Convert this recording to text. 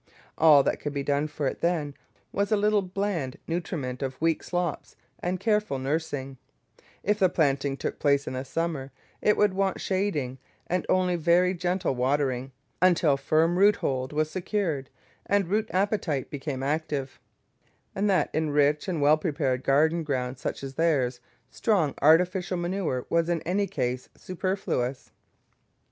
All that could be done for it then was a little bland nutriment of weak slops and careful nursing; if the planting took place in the summer it would want shading and only very gentle watering, until firm root hold was secured and root appetite became active, and that in rich and well prepared garden ground such as theirs strong artificial manure was in any case superfluous.